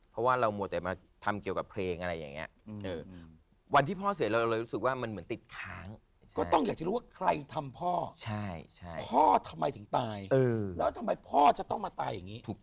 เพราะว่าเรามวดแต่มาทำเกี่ยวกับเพลงอะไรอย่างนี้